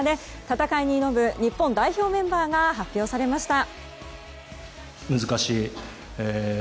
戦いに挑む日本代表メンバーが発表されました。